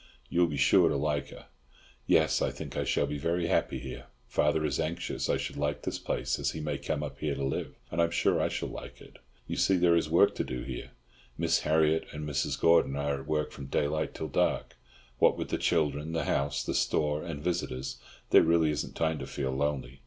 You will be sure to like her." "Yes. I think I shall be very happy here. Father is anxious I should like this place, as he may come up here to live, and I'm sure I shall like it. You see, there is work to do here. Miss Harriott and Mrs. Gordon are at work from daylight till dark; what with the children, the house, the store and visitors, there really isn't time to feel lonely.